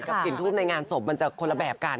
กลิ่นทูบในงานศพมันจะคนละแบบกัน